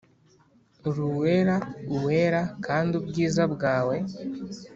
Uri Uwera Uwera, kandi ubwiza bwawe